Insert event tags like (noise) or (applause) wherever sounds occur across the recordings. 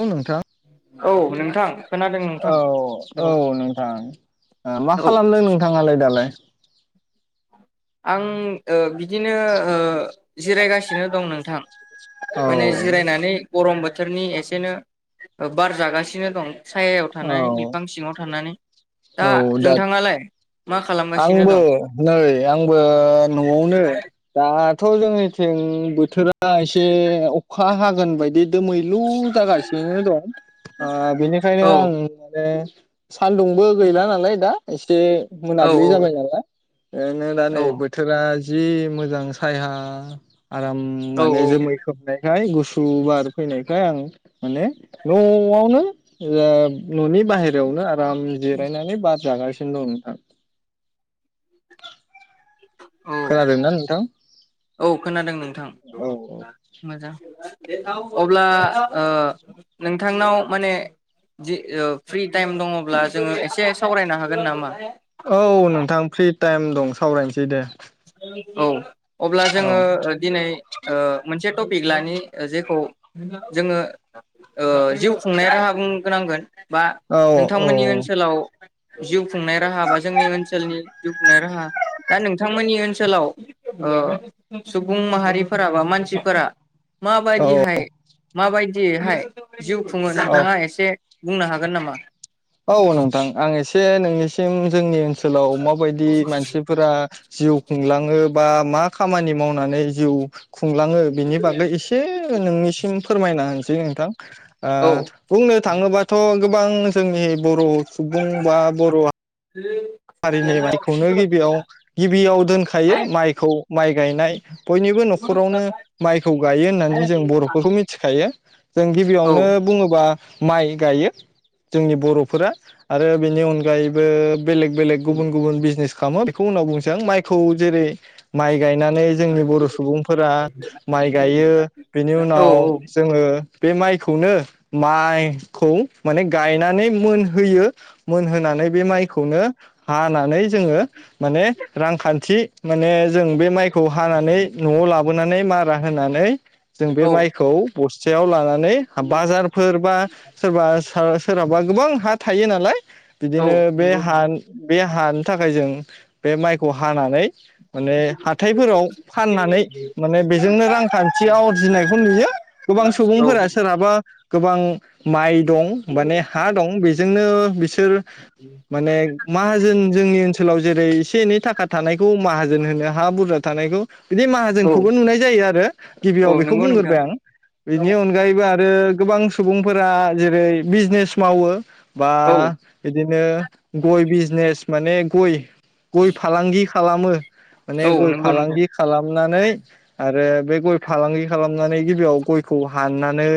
औ नोंथां औ नोंथां खोनादों नोंथां औ -औ नोंथां ओ मा औ खालामदों नोंथाङालाय दालाय आं ओ बिदिनो ओ जिरायगासिनो दं नोंथां औ माने जिरायनानै गरम बोथोरनि एसेनो बार जागासिनो दं सायायाव औ थानानै बिफां सिङाव थानानै दा नोंथाङालाय मा खालामगासिनो आंबो दं नै आंबो न'आवनो दा दाथ' जोंनिथिं बोथोरा एसे अखा हागोन बायदि दोमै लु जागासिनो दं ओ बेनिखायनो औ आं माने (inaudible) सान्दुंबो गैला नालाय दा एसे औ मोनाबिलि औ जाबाय नालाय ओ नो दा औ नै बोथोरा जि मोजां सायहा आराम औ माने जोमै खोबनाय खाय गुसु बार फैनायखाय आं माने न'आवनो जेन न'नि बाहेरायावनो आराम जिरायनानै बार जागासिनो दं नोंथां औ खोनादोंना नोंथां औ खोनादों नोंथां औ थां (unintelligible) मोजां अब्ला ओ नोंथांनाव माने दि ओ फ्रि टाइम दङब्ला जोङो एसे सावरायनो हागोन नामा औ नोंथां फ्रि टाइम दं सावरायनोसै दे औ अब्ला औ जोङो ओ दिनै ओ मोनसे। टपिक लानि जेखौ जोङो ओ जिउ खुंनाय राहा बुंगो नांगोन। बा औ औ नोंथांमोननि औ ओनसोलाव। जिउ खुंनाय राहा बा जोंनि ओनसोलनि जिउ खुंनाय राहा दा नों बिथांमोननि ओनसोलाव ओ सुबुं माहारिफोरा बा मानसिफोरा मा बादि हाय मा बायदि हाय? जिउ खुङो औ नोंथाङा एसे बुंनो हागोन नामा? औ नोथां आं एसे से नोंनिसिम जोंनि ओनसोलाव माबायदि मानसिफोरा जिउ खुंलाङो बा मा खामानि मावनानै जिउ खुं लाङो बेनि बागै एसे नोंनिसिम फोरमायना होनोसै नोंथां। ओ औ बुंनो थाङोबाथ गोबां नो जोंनि बर' सुबुं बा बर'आ हारिनि माइखौनो गिबियाव-गिबियाव दोनखायो, माइखौ माइ गायनाय, बयनिबो न'खरावनो माइखौ गायो होननानै जों बर'फोरखौ मिथिखायो। जों औ गिबियावनो बुङोबा माइ गायो, जोंनि बर'फोरा आरो बेनि अनगायैबो बेलेग बेलेग गुबुन गुबुन बिजनेस खामो, बेखौ उनाव बुंसै आं, माइखौ जेरै माइ गायनानै जोंनि बर' सुबुंफोरा माइ गायो, बेनि औ उनाव जोङो बे माइखौनो, माइखौ माने गायनानै मोनहोयो, मोनहोनानै बे माइखौनो हानानै जोङो माने रांखान्थि माने जों बे माइखौ हानानै न'आव लाबोनानै मारा होनानै जों बे औ माइखौ बस्थायाव लानानै हाबाजारफोर बा सोरबा सोरहाबा गोबां हा थायो नालाय औ बिदिनो बे नंगौ हा बे हानि थाखाय जों बे माइखौ हानानै माने हाथायफोराव फाननानै माने बेजोंनो रांखान्थि आवरजिनायखौ नुयो, गोबां औ सुबुंफोरा सोरहाबा गोबां माइ दं माने हा दं बेजों बिनो सोर माने माहाजोन जोंनि ओनसोलाव जेरै एसे एनै थाखा थानायखौ माहाजोन होनो हा बुरजा थानायखौ बिदि औ माहाजोनखौबो नुनाय जायो आरो गिबियाव औ बेखौ नंगौ बुंग्रोबाय आं नोंथां। बिनि अनगायैबो आरो गोबां सुबुंफोरा जेरै बिजनेस मावो बा औ बिदिनो दिनो गय बिजनेस माने गय गय फालांगि खालामो माने औ गय नंगौ नंगौ फालांगि खालामनानै आरो बे गय फालांगि खालामनानै गिबियाव गयखौ हाननानै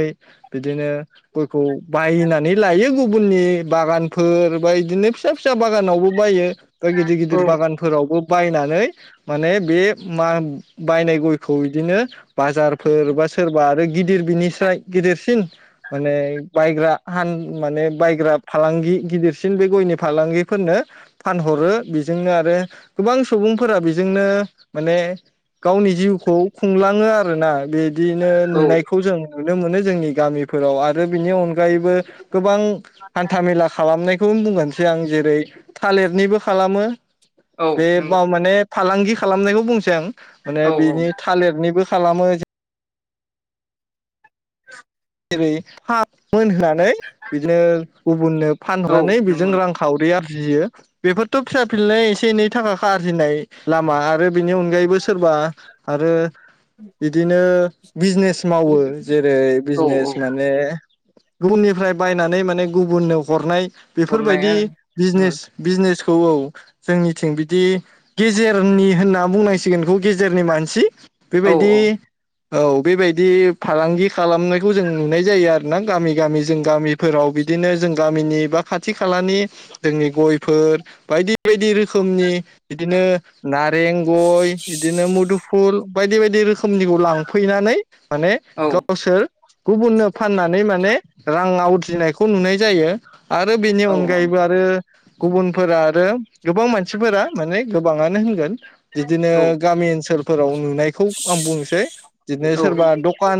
बिदिनो गयखौ बायनानै लायो गुबुननि बागानफोर बा इदिनो फिसा फिसा बागानावबो बायो। बा गिदिर गिदिर बागानफोरावबो बायनानै माने बे मा बायनाय गयखौ इदिनो बाजारफोर बा सोरबा आरो गिदिर बिनिस्राय गिदिरसिन माने बायग्रा हान माने बायग्रा फालांगि गिदिरसिन बे गयनि फालांगिफोरनो फानहरो बेजोंनो आरो गोबां सुबुंफोरा बेजोंनो माने गावनि जिउखौ खुंलाङो आरोना बे बिदिनो औ नुनायखौ जों नुनो मोनो जोंनि गामिफोराव आरो बिनि अनगायैबो गोबां हान्था मेला खालामनाय (unintelligible) सिगां जेरै थालिरनिबो खालामो औ बे नंगौ बा माने फालांगि खालामनायखौ बुंसै आं माने औ औ बिनि थालिरनिबो खालामो जों जेरै हाब मोनहोना नै बिदिनो गुबुननो औ फानहरनानै बेजों नंगौ रां खावरि आर जियो बेफोरथ' फिसा फिलनाय एसे एनै थाखा आ आरजिनाय लामा आरो बेनि अनगायैबो सोरबा आरो बिदिनो बिजनेस मावो जेरै औ औ बिजनेस माने गुबुननिफ्राय बायनानै माने गुबुननो हरनाय हरनाया बेफोरबायदि औ बिजनेस बिजनेस औ औ जोंनिथिं बिदि गेजेरनि होनना बुंनांसिगोनखौ गेजेरनि मानसि औ बेबायदि औ बेबायदि फालांगि खालामनाय खौ जों नुनाय जायो आरो ना। गामि गामि जों गामिफोराव बिदिनो जों गामिनि बा खाथि खालानि जोंनि गयफोर बायदि बायदि रो रोखनि बिदिनो नारें, गय बिदिनो मुुदु फुल बायदि बायदि रोखोम निखौ लांफैनानै माने औ गावसोर गुबुननो फाननानै माने रां आं आवद्रिनायखौ नुनाय जायो। आरो बेनि औ अनगायैबो आरो गुबुनफोरा आरो गोबां मानसिफोरा माने गो बाङानो होनगोन बिदिनो औ गामि ओनसोल फोराव नुनायखौ आं बुंनोसै। बिदिनो औ सोरबा दकान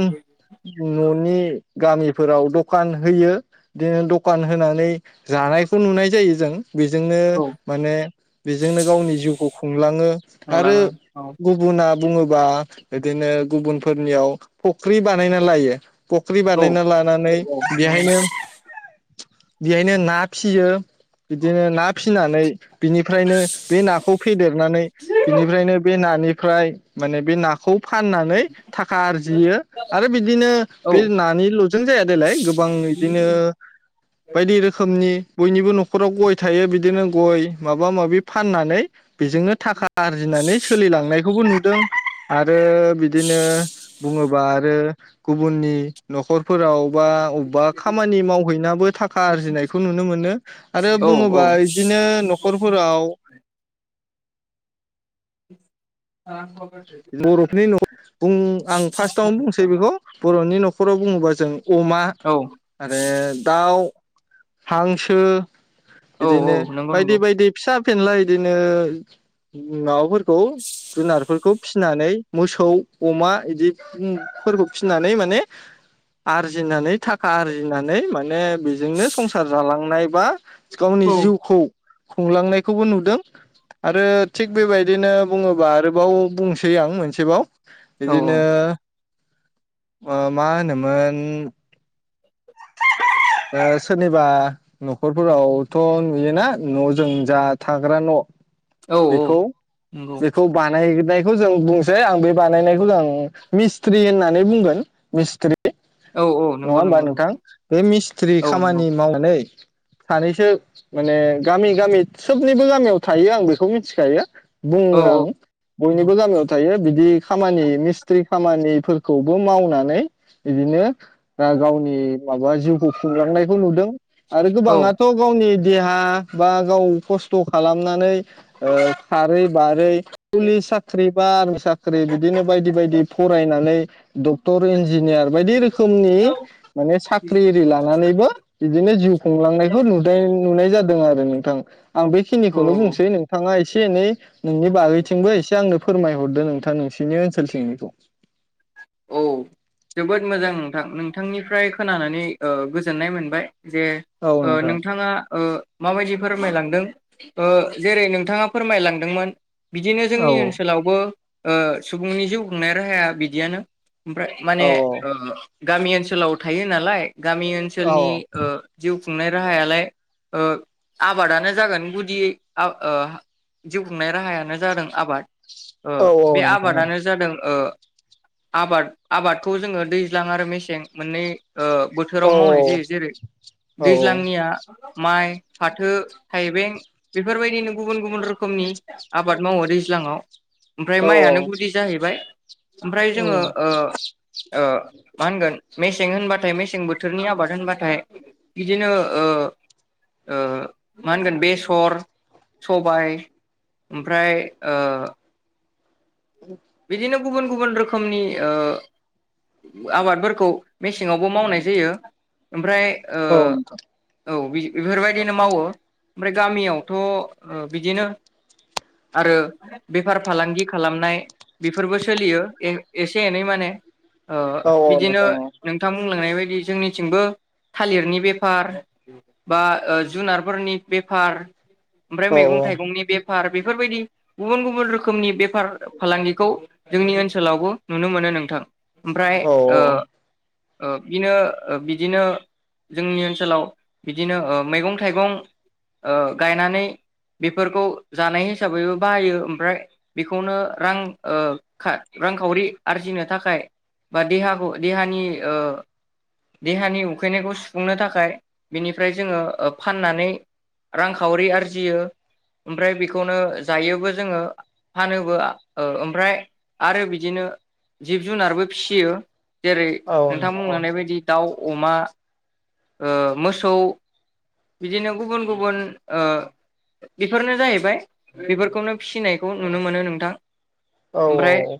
न'नि गामिफोराव दकान होयो बिदिनो दकान होनानै जानायखौ नुनाय जायो जों। बेजोंनो औ माने बेजोंनो गावनि जिउखौ खुंलाङो आरो थांलाङो गुबुना बुङोबा बिदिनो गुबुनफोरनियाव फख्रि बा बानायना लायो। फख्रि औ बानायना लानानै औ नंगौ बेहायनो बेहायनो ना फियो बिदिनो ना फिनानै बिनिफ्रायनो बे नाखौ फेदेरनानै बिनिफ्रायनो बे नानिफ्राय माने बे नाखौ फाननानै थाखा आरजियो आरो बिदिनो औ बे नानिल'जों जाया देलाय गोबां बिदिनो बायदि रोखोमनि बयनिबो न'खराव गय थायो, बिदिनो गय माबा माबि फाननानै बेजोंनो थाखा आरजिनानै सोलिलांनायखौबो नुदों (inaudible) रो बिदिनो बुङोबा ओह गुबुननि न'खरफोराव बा अबबा खामानि मावहैनाबो थाखा आर्जिनायखौ नुनो मोनो आरो औ औ बुङोबा इदिनो न'खरफोराव (inaudible) बर'फोरनि नख' बुं आं फास्तावनो बुंसै बेखौ बर'नि न'खराव बुङोबा जों अमा औ आरो दाउ हांसो औ औ बिदिनो नंगौ बायदि नंगौ बायदि फिसा फेनला इदिनो माबाफोरखौ जुनार फोरखौ फिसिनानै मोसौ अमा इदि ओम फोरबो फिसिनानै माने आरजिनानै थाखा आरजिनानै माने बेजोंनो संसार जालांनाय बा गावनि औ जिउखौ खुंलांनायखौबो नुदों आरो थिग बेबायदिनो बुङोबा आरो बाव बुंसै आं मोनसेबाव औ बिदिनो ओहमा होनो मोन सोरनिबा न'खरफोरावथ' नुयोना न'जों जा थाग्रा न' औ औ बेखौ नंगौ बेखौ बानायगोनाय खौ जों बुंनोसै आं बे बानायनायखौ आं मिस्त्रि होननानै बुंगोन मिस्त्रि ओउ ओउ नंगौ नंगौ नोंथां। बे मिस्त्रि औ नंगौ खामानि मावनानै नै सानैसो माने गामि गामि सोबनिबो गामियाव थायो आं बेखौ मिथिखायो। औ बुङो आं औ नंगौ बयनिबो गामियाव थायो बिदि खामानि मिस्त्रि खामानिफोरखौबो मावनानै इदिनो दा गावनि वाबाजो होफुंलांनायखौ नुदों आरो गोबाङाथ' गावनि देहा बा गाव खस्थ' खालामनानै ओह खारै बारै पुलिस साख्रि बा आर्मि साख्रि बि दिनो बायदि बायदि फरायनानै डक्टर इन्जि जिनियार बायदि रोखोमनि माने साख खिरिलानानैबो बिदिनो जिउ खुंलांनायखौ नुदाय नुनाय जादों। खोनादों नोंथां आं औ बेखिनिखौनो औ बुंसै नोंथाङा ए से एनै नोंनि औ बागैथिंबो एसे आंनो फोरमायहरदो नोंथां नोंसिनि ओनसोल थिंनिखौ औ जोबोद मोजां नोंथां नों थांनिफ्राय खोनानानै ओ गोजोननाय मोनबाय। जे औ ओ नोंथां नोंथाङा ओ माबायदि फोरमायलांदों ओ जेरै नोंथाङा फोरमायलांदोंमोन बिदिनो औ जोंनि ओनसोलावबो ओ सुबुंनि जिउ खुंनाय राहाया बिदियानो ओमफ्राय माने औ ओ गामि ओनसोलाव थायो नालाय। गामि औ ओनसोलनि ओ जिउ ख खुंनाय राहायालाय ओ आबादानो जागोन गुदि ओ जिउ खुंनाय राहायानो जादों आबाद। ओ औ बे औ नोंथां आबादानो जादों ओ आबाद आबादखौ जोङो दैज्लां आरो मेसें मोननै ओ औ बोथोराव मावनाय जायो जेरै औ दैज्लांनिया माइ फाथो थाइबें बेफोरबायदिनो गुबुन गुबुन रोखोमनि आबाद मावो दैज्लाङाव। ओमफ्राय औ माइआानो गुदि जाहैबाय। ओमफ्राय जोङो उम ओ ओ मा होनगोन मेसें होनबाथाय मेसें बोथोरनि आबाद होनबाथाय बिदिनो ओ ओ मा होनगोन बेसर सबाय ओमफ्राय ओ (inaudible) बिदिनो गुबुन गुबुन रोखोमनि ओ आबादफोरखौ मेसेंयावबो मावनाय जायो। ओमफ्राय ओ औ बेफोरबायदिनो मावो ओमफ्राय गामियावथ ओ बिदिनो आरो बेफार फालांगि खालामनाय बेफोरबो सोलियो ए एसे एनै माने। ओ औ नोंथां औ बिदिनो नोंथां औ नोंथां बुंलांनाय बा (unintelligible) जोंनिथिंबो थालिरनि बेफार बा जुनारफोरनि बेफार ओमफ्राय औ मैगं थाइगंनि बे फार बेफोरबायदि गुबुन गुबुन रोखोमनि बेफार फालांगि खौ जोंनि ओनसोलावबो नुनो मोनो नोंथां। ओमफ्राय औ ओ ओ बिनो बिदिनो जोंनि ओनसोलाव बिदिनो ओ मैगं थाइगं ओ गायनानै बेफोरखौ जानाय हिसाबैबो बाहायो ओमफ्राय बेखौनो रां ओ खा रांखावरि आरजिनो थाखाय बा देहाखौ देहानि ओ देहानि उखैनायखौ सुफुंनो थाखाय बेनिफ्राय जोङो फाननानै रांखावरि आरजियो ओमफ्राय बेखौनो जायोबो जोङो फानोबो ओ ओमफ्राय आरो बिदिनो जिब जुनारबो फिसियो। जेरै नोंथां बुंलांनाय बायदि दाउ अमा ओ मोसौ बिदिनो गुबुन गुबुन ओ बेफोरनो जाहैबाय बेफोरखौनो फिसिनायखौ नुनो मोनो नोंथां। औ अ ओमफ्राय औ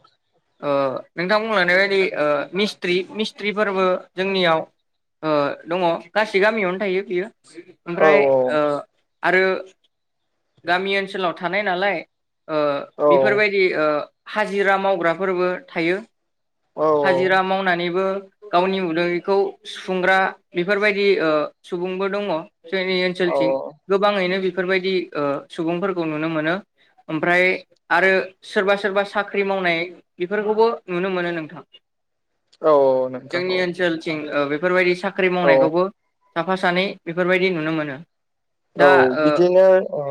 ओ नोंथांमोन (unintelligible) ओ मिस्ट्रि मिस्ट्रिफोरबो जोंनियाव ओ दङ गासै गामियावनो थायो बियो। ओमफ्राय ओ आरो गामि ओनसोलाव थानाय नालाय ओ बेफोरबायदि ओ हाजिरा मावग्राफोरबो थायो। हाजिरा औ मावनानैबो गावनि उदैखौ सुफुंग्रा बेफोरबायदि ओ सुबुंबो दङ। जोंनि औ ओनसोलथिं औ गोबाङैनो बिब बेफोरबायदि ओ सुबुंफोरखौ नुनो मोनो ओमफ्राय आरो सोरबा सोरबा साख्रि मावनाय बेफोरखौबो नुनो मोनो नोंथां। औ औ नोंथां औ। फोर बायदिस साख्रि औ मावनायखौबो साफा सानै बेफोरबायदि नुनो मोनो। औ दा बिदिनो ओ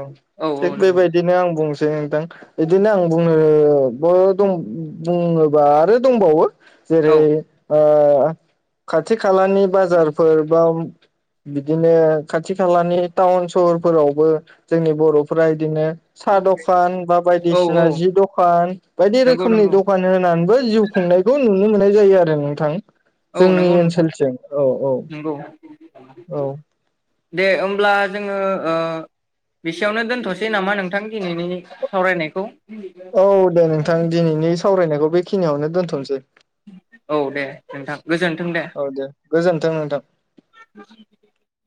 ओ औ थिग औ नंगौ बेबायदिनो आं बुंसै (unintelligible) नोंथां। बिदिनो आं बुंङो सबबो दं बुङोबा आरो दंबावो। जेरै औ ओ खाथिग खालानि बाजारफोर बा बिदिनो खाथि खालानि टाउन सहरफोरावबो जोंनि बर'फोरा इदिनो साहा दखान बा औ बायदिसिना औ जि दखान बायदि नंगौ रोखोमनि नंगौ दखान होनानैबो जिउ खुंनायखौ नुनो मोननाय जायो आरो नोंथां औ जोंनि नंगौ नोंथां ओनसोलथिं औ। औ नंगौ औ। दे ओमब्ला जोङो ओ बिसेयावनो दोनथ'सै नामा नोंथां? दिनैनि सावरायनायखौ। नायखौ बेखिनियावनो दोनथ'नोसै औ दे नोंथां गोजोन्थों औ दे गोजोनथों नोंथां।